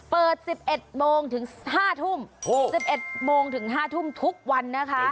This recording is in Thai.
เปิด๑๑โมงถึง๕ทุ่ม๑๑โมงถึง๕ทุ่มทุกวันนะคะ